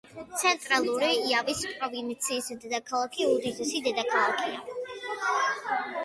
ცენტრალური იავის პროვინციის დედაქალაქი და უდიდესი ქალაქი.